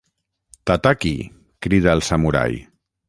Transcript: Tataki! —crida el samurai.